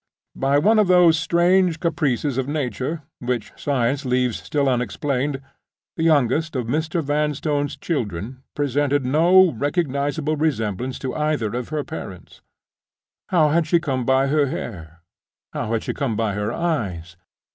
By one of those strange caprices of Nature, which science leaves still unexplained, the youngest of Mr. Vanstone's children presented no recognizable resemblance to either of her parents. How had she come by her hair? how had she come by her eyes?